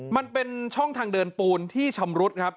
มันเป็นช่องทางเดินปูนที่ชำรุดครับ